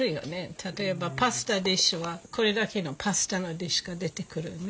例えばパスタディッシュはこれだけのパスタのディッシュが出てくるね。